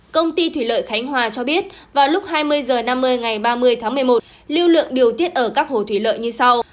công ty thủy lợi khánh hòa cho biết vào lúc hai mươi h năm mươi ngày ba mươi tháng một mươi một lưu lượng điều tiết ở các hồ thủy lợi như sau